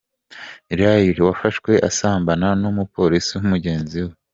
Riley wafashwe asambana n’umupolisi mugenzi we.